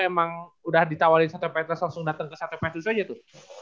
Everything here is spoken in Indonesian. emang udah ditawarin santo petrus langsung dateng ke santo petrus aja tuh